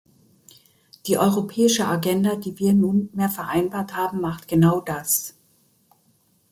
Die europäische Agenda, die wir nunmehr vereinbart haben, macht genau das.